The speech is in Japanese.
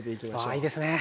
わあいいですね。